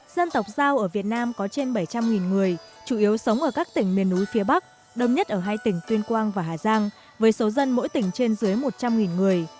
dân tộc giao ở việt nam có trên bảy trăm linh người chủ yếu sống ở các tỉnh miền núi phía bắc đông nhất ở hai tỉnh tuyên quang và hà giang với số dân mỗi tỉnh trên dưới một trăm linh người